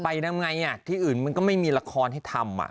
ไปยังไงอ่ะที่อื่นมันก็ไม่มีละครให้ทำอ่ะ